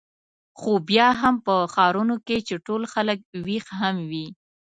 خو بیا هم په ښارونو کې چې ټول خلک وېښ هم وي.